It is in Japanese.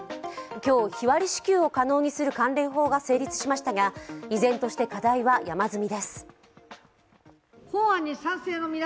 今日、日割り支給を可能にする関連法が成立しましたが依然として課題は山積みです。